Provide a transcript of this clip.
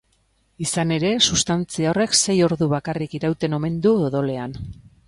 Izan ere, sustantzia horrek sei ordu bakarrik irauten omen du odolean.